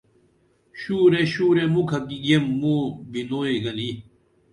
شُرے شُرے مُکھہ کی گیم موں بِنوئی گنی